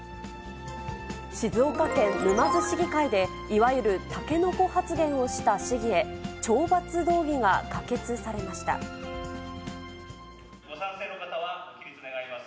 静岡県沼津市議会で、いわゆるタケノコ発言をした市議へ、ご賛成の方はご起立願います。